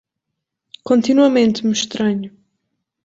Continuamente me estranho.